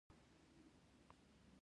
صرف «ښه» کوه.